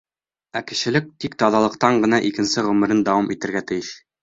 Ә кешелек тик таҙалыҡтан ғына икенсе ғүмерен дауам итергә тейеш.